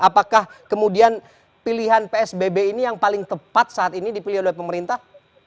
apakah kemudian pilihan psbb ini yang paling tepat saat ini dipilih oleh pemerintah